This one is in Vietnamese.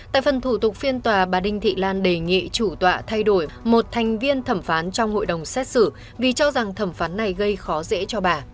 tại phần thủ tục phiên tòa bà đinh thị lan đề nghị chủ tọa thay đổi một thành viên thẩm phán trong hội đồng xét xử vì cho rằng thẩm phán này gây khó dễ cho bà